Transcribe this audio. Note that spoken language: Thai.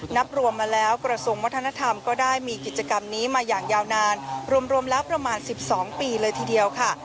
นับรวมมาแล้วกระทรวงวัฒนธรรมก็ได้มีกิจกรรมนี้มาอย่างยาวนานรวมแล้วประมาณ๑๒ปีเลยทีเดียวค่ะ